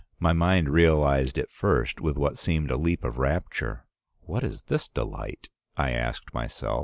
My mind realized it first with what seemed a leap of rapture. 'What is this delight?' I asked myself.